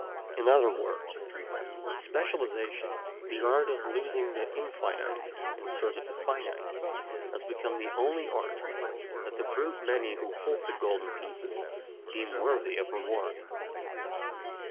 In other words, specialization, the art of losing the infinite in search of the finite, has become the only, art that the brute many who hold the golden pieces deem worthy of reward.